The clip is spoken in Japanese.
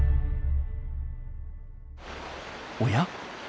おや？